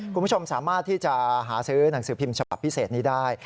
คุณผู้ชมสามารถที่จะหาซื้อหนังสือพิมพ์ฉบับพิเศษนี้ได้